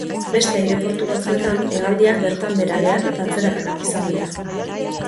Beste aireportu batzuetan hegaldiak bertan behera geratu eta atzerapenak izan dira.